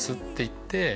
って。